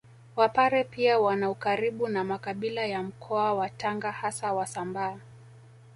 Wapare pia wana ukaribu na makabila ya Mkoa wa Tanga hasa Wasambaa